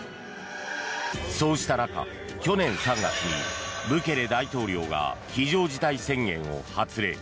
そうした中、去年３月にブケレ大統領が非常事態宣言を発令。